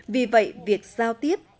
vì vậy việc giao tiếp